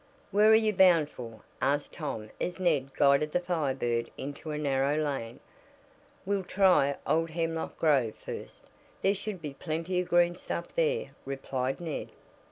"Where are you bound for?" asked Tom as Ned guided the Fire Bird into a narrow lane. "We'll try old Hemlock Grove first. There should be plenty of green stuff there," replied Ned.